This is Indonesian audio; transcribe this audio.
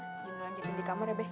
udah jonny lanjutin di kamar ya be